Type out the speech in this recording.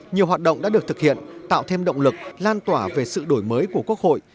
nhiều hoạt động đã được thực hiện tạo thêm động lực lan tỏa về sự đổi mới của quốc hội